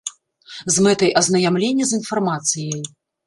З мэтай азнаямлення з інфармацыяй.